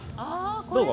どうぞ。